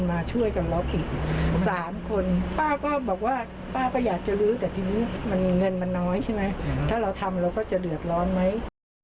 ถ้าเราทำเราก็จะเลือดร้อนไหม